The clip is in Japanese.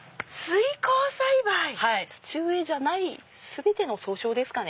土植えじゃない全ての総称ですかね。